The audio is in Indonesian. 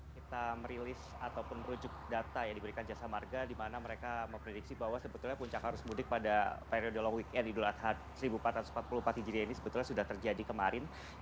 kita merilis ataupun merujuk data yang diberikan jasa marga di mana mereka memprediksi bahwa sebetulnya puncak arus mudik pada periode long weekend idul adha seribu empat ratus empat puluh empat hijriah ini sebetulnya sudah terjadi kemarin